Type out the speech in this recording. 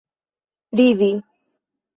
ridi